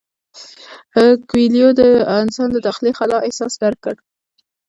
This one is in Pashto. کویلیو د انسان د داخلي خلا احساس درک کړ.